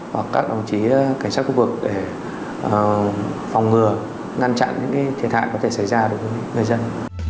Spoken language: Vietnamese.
hoặc các đồng chí cảnh sát khu vực để phòng ngừa ngăn chặn những thiệt hại có thể xảy ra đối với người dân